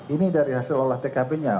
ini dari hasil olah tkp nya